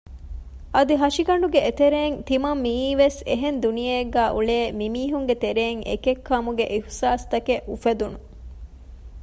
އަދި ހަށިގަނޑުގެ އެތެރެއިން ތިމަން މިއީވެސް އެހެން ދުނިޔެއެއްގައި އުޅޭ މި މީހުންގެތެރެއިން އެކެއްކަމުގެ އިޙްސާސްތަކެއް އުފެދުން